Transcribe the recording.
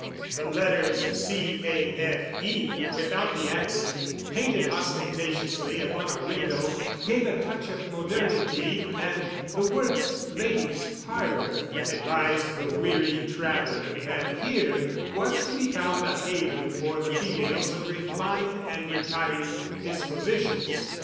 The letters C A F E (without the accent), painted ostentatiously upon a window, gave a touch of modernity, and the words "Ladies' Parlor" advised the wearied traveler that here was to be found a haven for the females of refined and retiring dispositions.